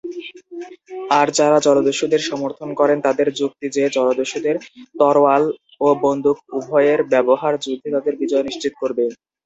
আর যারা জলদস্যুদের সমর্থন করেন তাদের যুক্তি যে, জলদস্যুদের তরোয়াল ও বন্দুক উভয়ের ব্যবহার যুদ্ধে তাদের বিজয় নিশ্চিত করবে।